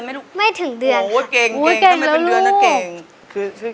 ไม่ถึงเดือน